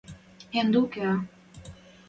Яндул кеӓ.